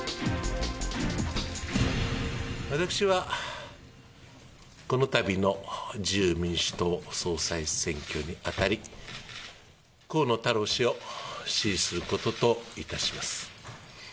私はこのたびの自由民主党総裁選挙にあたり、河野太郎氏を支持することといたします。